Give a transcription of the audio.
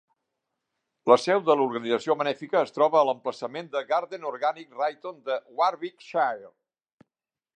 La seu de l'organització benèfica es troba a l'emplaçament de Garden Organic Ryton de Warwickshire.